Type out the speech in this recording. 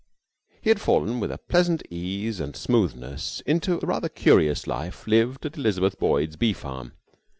He had fallen with a pleasant ease and smoothness into the rather curious life lived at Elizabeth Boyd's bee farm.